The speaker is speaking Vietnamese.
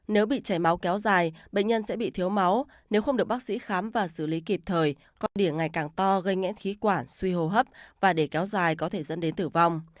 nếu bị chảy máu kéo dài bệnh nhân sẽ bị thiếu máu nếu không được bác sĩ khám và xử lý kịp thời có điểm ngày càng to gây ngẽn khí quản suy hồ hấp và để kéo dài có thể dẫn đến tử vong